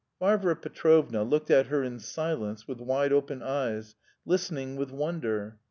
Varvara Petrovna looked at her in silence, with wide open eyes, listening with wonder.